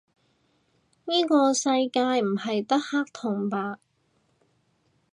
依個世界唔係得黑同白